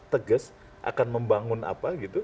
tegas akan membangun apa